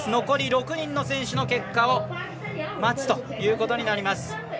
残り６人の選手の結果を待つということになります。